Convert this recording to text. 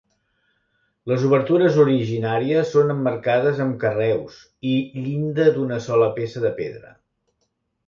Les obertures originàries són emmarcades amb carreus, i llinda d'una sola peça de pedra.